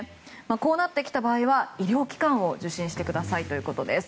こうなってきた場合医療機関を受診してくださいということです。